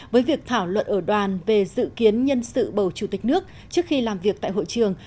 với việc thảo luận ở đoàn về dự kiến nhân sự bầu chủ tịch nước trước khi làm việc tại hội trường